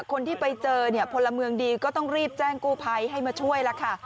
คนที่ไปเจอเนี่ยพลเมืองดีก็ต้องรีบแจ้งกู้ภัยให้มาช่วยล่ะค่ะ